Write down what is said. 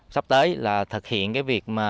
sắp tới là thực hiện việc